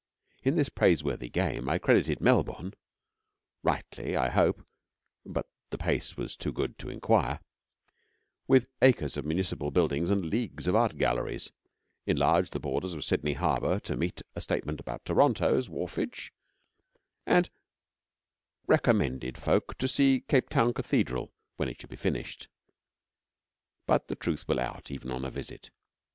In this praiseworthy game I credited Melbourne (rightly, I hope, but the pace was too good to inquire) with acres of municipal buildings and leagues of art galleries; enlarged the borders of Sydney harbour to meet a statement about Toronto's, wharfage; and recommended folk to see Cape Town Cathedral when it should be finished. But Truth will out even on a visit.